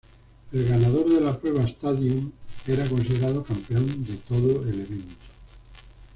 El ganador de la prueba "stadion" era considerado campeón de todo el evento.